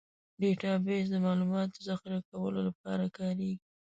ډیټابیس د معلوماتو ذخیره کولو لپاره کارېږي.